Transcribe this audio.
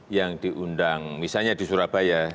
yang diundang misalnya di surabaya